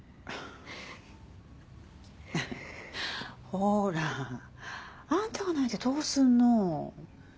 ほら。あんたが泣いてどうすんの。